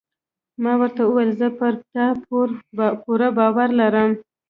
ما ورته وویل: زه پر تا پوره باور لرم.